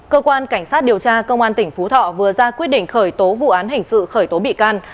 cơ quan cảnh sát điều tra công an tỉnh phú thọ vừa ra quyết định khởi tố vụ án hình sự khởi tố bị can